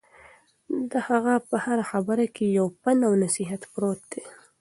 د هغه په هره خبره کې یو پند او نصیحت پروت دی.